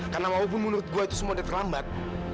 karena walaupun menurut gue itu semua udah terlambat